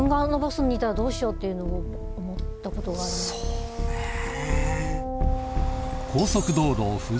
そうねぇ。